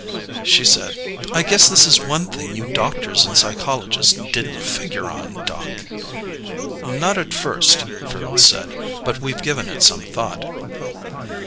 She said, "I guess this is one thing you doctors and psychologists didn't figure on, Doc." "Not at first," Farrel said. "But we've given it some thought."